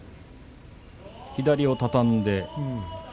左を畳んで。